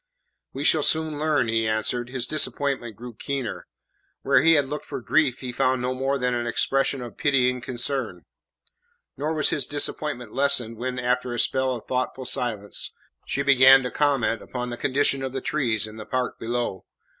"We shall soon learn," he answered. His disappointment grew keener; where he had looked for grief he found no more than an expression of pitying concern. Nor was his disappointment lessened when, after a spell of thoughtful silence, she began to comment upon the condition of the trees in the park below.